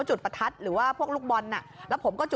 จ้ะหนูรักไม่ได้จริงจ้ะหนูรักไม่ได้จริงจ้ะ